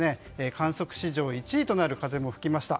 観測史上１位となる風も吹きました。